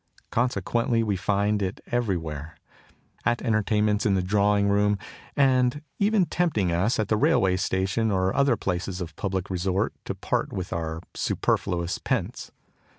Consequently we find it every where at entertainments, in the drawing room, and even tempting us at the railway station or other places of public resort to part with our superfluous pence.